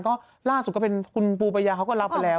ก็ล่าสุดก็เป็นคุณปูปัญญาเขาก็รับไปแล้ว